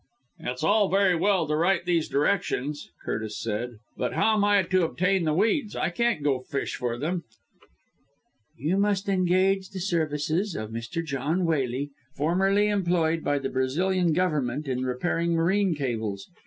'" "It's all very well to write all these directions," Curtis said, "but how am I to obtain the weeds? I can't go and fish for them." "You must engage the services of Mr. John Waley, formerly employed by the Brazilian Government in repairing marine cables.